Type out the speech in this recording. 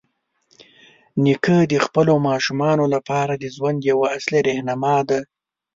نیکه د خپلو ماشومانو لپاره د ژوند یوه اصلي راهنما دی.